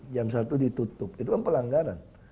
jam satu ditutup itu kan pelanggaran